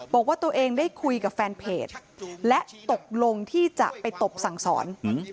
บอกว่าตัวเองได้คุยกับแฟนเพจและตกลงที่จะไปตบสั่งสอน